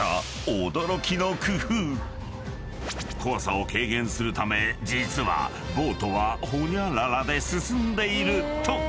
［怖さを軽減するため実はボートはホニャララで進んでいるというのだ］